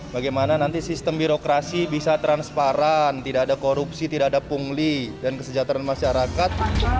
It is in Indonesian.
bagaimana nanti sistem birokrasi bisa transparan tidak ada korupsi tidak ada pungli dan kesejahteraan masyarakat